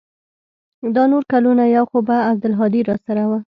دا نور کلونه يو خو به عبدالهادي راسره و.